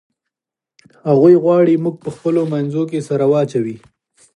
هغوی غواړي موږ په خپلو منځونو کې سره واچوي.